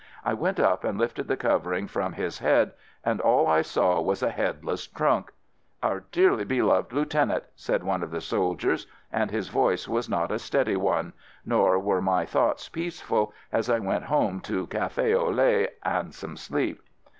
I went up and lifted the covering from his head and all I saw was a headless trunk! — "Our dearly loved Lieutenant," said one of the soldiers, and his voice was not a steady one — nor were my thoughts peaceful as I went home to cafe au lait and some sleep.